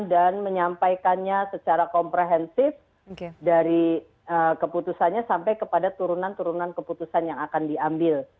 dan menyampaikannya secara komprehensif dari keputusannya sampai kepada turunan turunan keputusan yang akan diambil